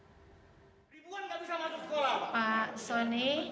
bapak kita dibohongin terus